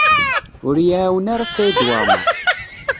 Ur y-iɛawen ara Saɛid Waɛmaṛ.